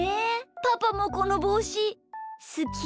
パパもこのぼうしすき？